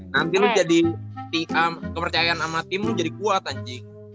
nanti lo jadi kepercayaan sama tim lo jadi kuat anjing